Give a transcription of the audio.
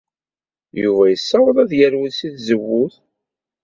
Yuba yessaweḍ ad yerwel seg tzewwut.